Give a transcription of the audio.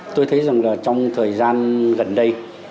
tôi thấy rằng trong thời gian gần đây